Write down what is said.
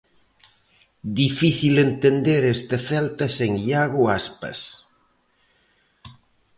Difícil entender este Celta sen Iago Aspas.